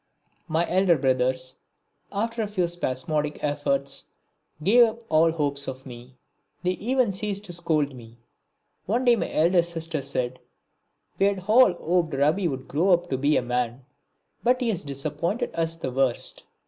My elder brothers, after a few spasmodic efforts, gave up all hopes of me they even ceased to scold me. One day my eldest sister said: "We had all hoped Rabi would grow up to be a man, but he has disappointed us the worst."